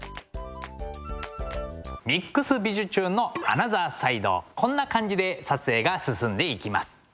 「ＭＩＸびじゅチューン！」のアナザーサイドこんな感じで撮影が進んでいきます。